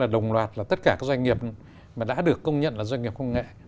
đồng loạt là tất cả các doanh nghiệp mà đã được công nhận là doanh nghiệp công nghệ